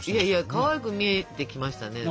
いやいやかわいく見えてきましたね。